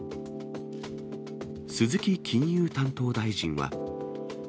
鈴木金融担当大臣は。